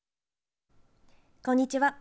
こんにちは。